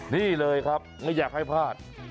นี่เลยครับไม่อยากให้พลาด